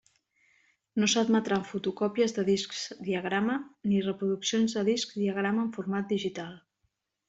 No s'admetran fotocòpies de discs diagrama ni reproduccions de discs diagrama en format digital.